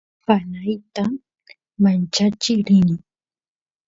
panayta manchachiy rini